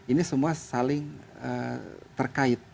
ini semua saling terkait